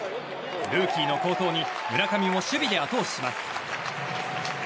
ルーキーの好投に村上も守備で後押しします。